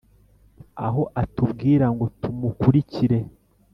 Ahora atubwira ngo tumukurikire